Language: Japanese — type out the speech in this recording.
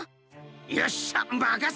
よっしゃまかせろ！